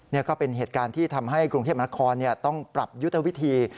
นี่ก็เป็นเหตุการณ์ที่ทำให้กรุงเทพมนาคมต้องปรับยุทธวิธี